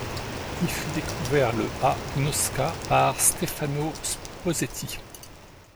Il fut découvert le à Gnosca par Stefano Sposetti.